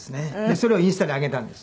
それをインスタに上げたんです。